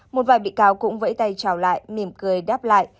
một vài bị cáo cũng vẫy tay trào lại mỉm cười đáp lại